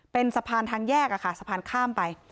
เป็นสะพานทางแยกสะพานข้ามไป